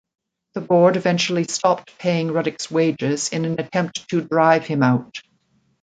The board eventually stopped paying Ruddock's wages in an attempt to drive him out.